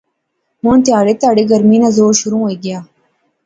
ہُن تیہڑے تیہڑے گرمی نا زور شروع ہوئی غیا